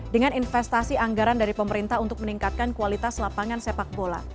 dengan investasi anggaran dari pemerintah untuk meningkatkan kualitas lapangan sepak bola